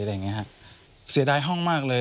อะไรอย่างนี้ฮะเสียดายห้องมากเลย